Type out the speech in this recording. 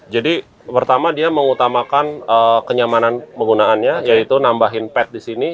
jadi pertama dia mengutamakan kenyamanan penggunaannya yaitu nambahin pad di sini